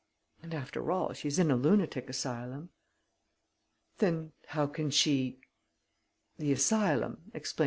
And, after all, she's in a lunatic asylum." "Then how can she ...?" "The asylum," explained M.